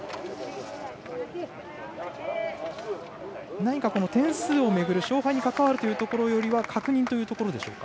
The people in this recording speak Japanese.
何か点数をめぐる勝敗に関わるというところよりは確認というところでしょうか。